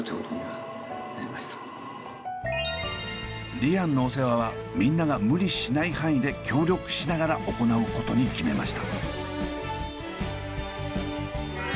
リアンのお世話はみんなが無理しない範囲で協力しながら行うことに決めました。